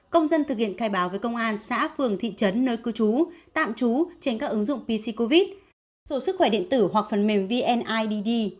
công dân thực hiện khai báo với công an xã phường thị trấn nơi cư trú tạm trú trên các ứng dụng pc covid dụ sức khỏe điện tử hoặc phần mềm vnidd